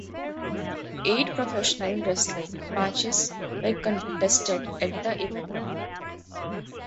Eight professional wrestling matches were contested at the event.